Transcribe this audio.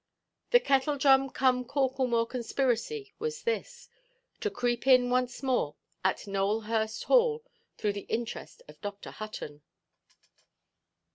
The Kettledrum–cum–Corklemore conspiracy was this—to creep in once more at Nowelhurst Hall through the interest of Dr. Hutton.